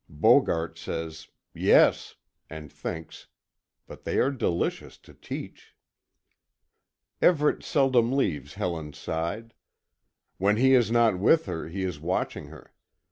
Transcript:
Bogart says "Yes;" and thinks, "but they are delicious to teach." Everet seldom leaves Helen's side. When he is not with her, he is watching her.